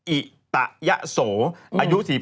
อิตะยะโสอายุ๔๒